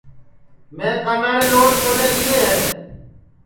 میں کاناڑے لوڈ مولے لِیئے ہے